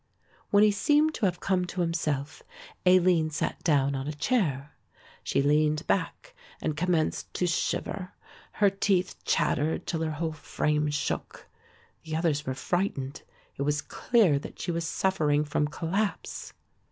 When he seemed to have come to himself Aline sat down on a chair. She leaned back and commenced to shiver, her teeth chattered till her whole frame shook. The others were frightened; it was clear that she was suffering from collapse.